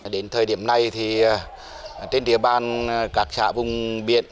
đến thời điểm này trên địa bàn các xã vùng biển